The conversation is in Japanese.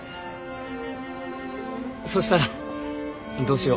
そしたらどうしよう。